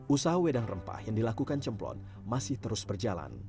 usaha wedang rempah yang dilakukan cemplon masih terus berjalan